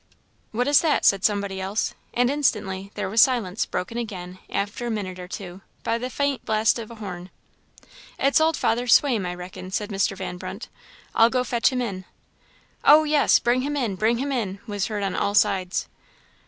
"What is that?" said somebody else; and instantly there was silence, broken again, after a minute or two, by the faint blast of a horn. "It's old Father Swaim, I reckon," said Mr. Van Brunt; "I'll go fetch him in." "Oh, yes! bring him in bring him in," was heard on all sides.